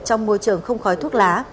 trong môi trường không khói thuốc lá